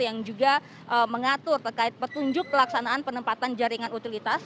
yang juga mengatur terkait petunjuk pelaksanaan penempatan jaringan utilitas